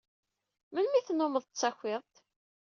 Melmi ay tennumeḍ tettakiḍ-d?